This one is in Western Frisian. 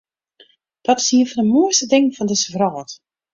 Dat is ien fan de moaiste dingen fan dizze wrâld.